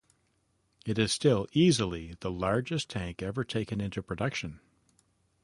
It is still easily the largest tank ever taken into production.